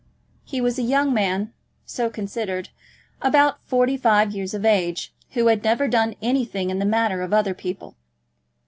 He was a young man, so considered, about forty five years of age, who had never done anything in the manner of other people.